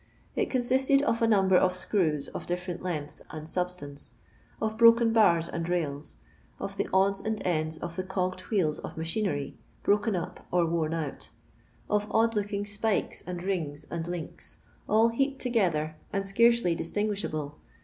It consisted of a number of screws of different lengths and substance ; of broken bars and raila; of the odds and ends of the cogged wheels of machinery, broken up or worn out; of odd Jookii^ snikes, and rings, and links; all heaped iogBmer and scarcely distinguishable.